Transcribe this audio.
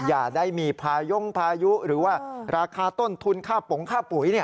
อย่าได้มีพายุหรือว่าราคาต้นทุนค่าปุ๋ย